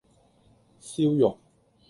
燒肉